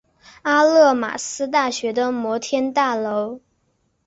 阿勒玛斯大楼的摩天大楼。